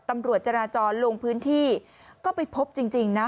ตำรวจจราจรลงพื้นที่ก็ไปพบจริงนะ